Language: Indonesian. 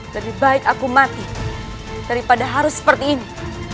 lebih baik aku mati daripada harus seperti ini